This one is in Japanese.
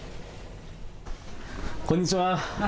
こんにちは。